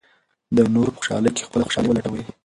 د نورو په خوشالۍ کې خپله خوشالي ولټوئ.